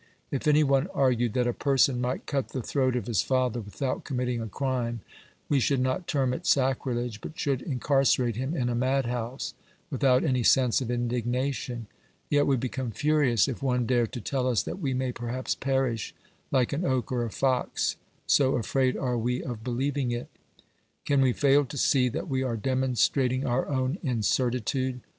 If any one argued that a person might cut the throat of his father without committing a crime, we should not term it sacrilege, but should incarcerate him in a madhouse without any sense of indignation; yet we become furious if one dare to tell us that we may perhaps perish like an oak or a fox OBERMANN 125 so afraid are we of believing it. Can we fail to see that we are demonstrating our own incertitude?